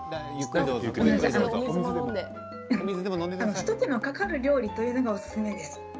一手間かかる料理というのをおすすめしています。